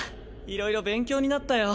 いろいろ勉強になったよ。